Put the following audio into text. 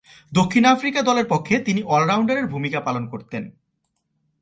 দক্ষিণ আফ্রিকা দলের পক্ষে তিনি অল-রাউন্ডারের ভূমিকা পালন করতেন।